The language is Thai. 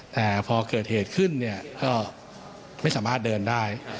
แต่พอเกิดเหตุขึ้นเนี่ยก็ไม่สามารถเดินได้